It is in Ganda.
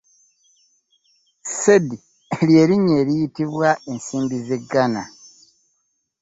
Cedi lye linnya eriyitibwa ensimbi z'e Ghana.